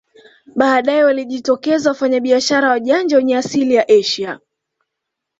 Baadae walijitokeza wafanyabiashara wajanja wenye asili ya Asia